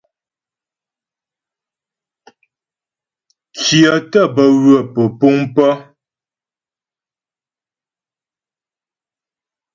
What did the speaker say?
Kyə̀ tə́ bə ywə pə́puŋ pə̀.